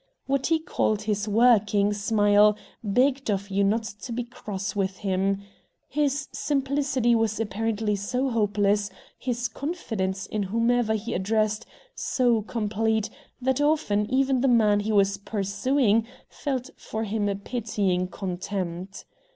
What he called his "working" smile begged of you not to be cross with him. His simplicity was apparently so hopeless, his confidence in whomever he addressed so complete, that often even the man he was pursuing felt for him a pitying contempt.